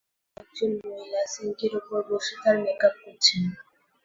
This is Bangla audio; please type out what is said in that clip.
বাথরুমে একজন মহিলা, সিঙ্কের ওপর বসে তার মেকআপ করছেন।